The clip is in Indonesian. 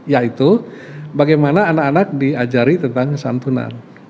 yaitu bagaimana anak anak diajari tentang santunan